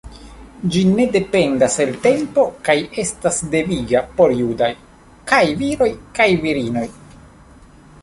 Ĝi ne dependas el tempo kaj estas deviga por judaj kaj viroj kaj virinoj.